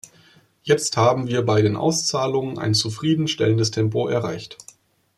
Jetzt haben wir bei den Auszahlungen ein zufrieden stellendes Tempo erreicht.